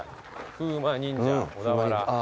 風魔忍者小田原。